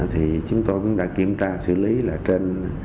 thì chúng tôi cũng đã kiểm tra xử lý là trên